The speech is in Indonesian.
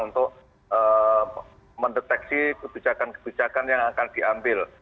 untuk mendeteksi kebijakan kebijakan yang akan diambil